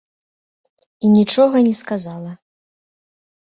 І нічога не сказала.